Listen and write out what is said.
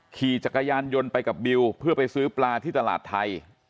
ขี่จักรยานยนต์ไปกับบิวเพื่อไปซื้อปลาที่ตลาดไทย